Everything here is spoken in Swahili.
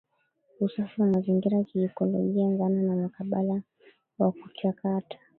Usafi wa mazingira kiikolojia dhana na mkabala wa kuchakata